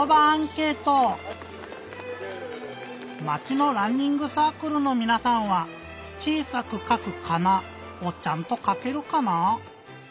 まちのランニングサークルのみなさんは「ちいさくかくかな」をちゃんとかけるかな？